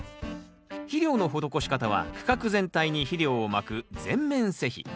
肥料の施し方は区画全体に肥料をまく全面施肥。